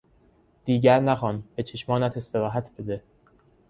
دیگر نخوان; به چشمانت استراحت بده!